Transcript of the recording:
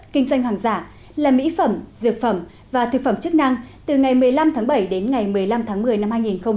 kinh doanh hàng giả là mỹ phẩm dược phẩm và thực phẩm chức năng từ ngày một mươi năm tháng bảy đến ngày một mươi năm tháng một mươi năm hai nghìn hai mươi